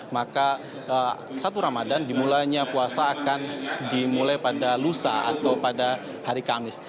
maka satu ramadan dimulainya puasa akan dimulai pada lusa atau pada hari kamis